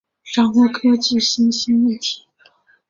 掌握科技新兴议题